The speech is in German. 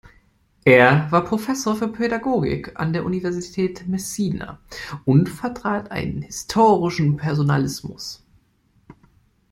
Er war Professor für Pädagogik an der Universität Messina und vertrat einen historischen Personalismus.